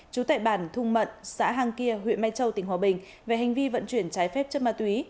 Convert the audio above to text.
trú tại bản thung mận xã hàng kia huyện mai châu tỉnh hòa bình về hành vi vận chuyển trái phép chất ma túy